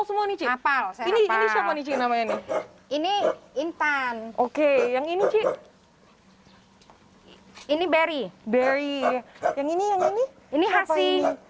semua ini cipal ini ini ini intan oke yang ini cik ini berry berry yang ini ini ini hasil